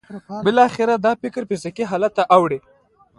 بالاخره دا فکر فزیکي حالت ته اوړي